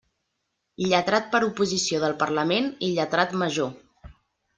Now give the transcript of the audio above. Lletrat per oposició del Parlament i Lletrat Major.